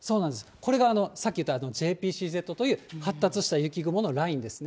これがさっきいったＪＰＣＺという発達した雪雲のラインですね。